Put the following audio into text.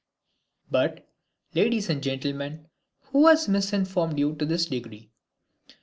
But, ladies and gentlemen, who has misinformed you to this degree?